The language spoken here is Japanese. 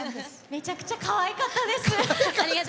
めちゃくちゃかわいかったです！